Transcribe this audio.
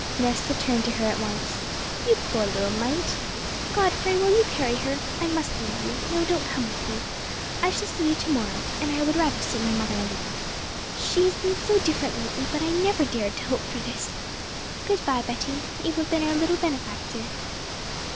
Nesta turned to her at once. 'You poor little mite! Godfrey, will you carry her? I must leave you. No, don't come with me. I shall see you to morrow, and I would rather see my mother alone. She has been so different lately, but I never dared to hope for this! Good bye, Betty; you have been our little benefactor.'